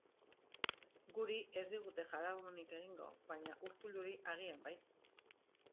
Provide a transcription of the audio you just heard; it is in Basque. Guri ez digute jaramonik egingo, baina Urkulluri agian bai.